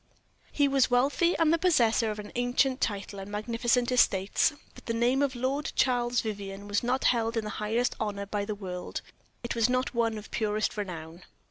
He was wealthy, and the possessor of an ancient title and magnificent estates; but the name of Lord Charles Vivianne was not held in highest honor by the world it was not one of purest renown.